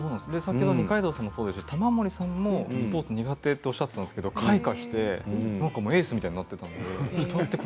二階堂さんもそうですが玉森さんもスポーツが苦手とおっしゃっていて開花してエースみたいになっていたんです。。